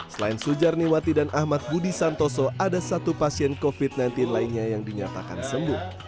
selain sujarniwati dan ahmad budi santoso ada satu pasien covid sembilan belas lainnya yang dinyatakan sembuh